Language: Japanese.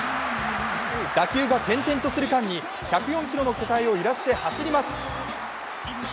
打球が転々とする間に１０４ｋｇの巨体を揺らして走ります。